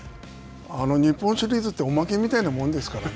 日本シリーズっておまけみたいなものですからね。